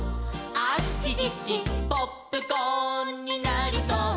「あちちちポップコーンになりそう」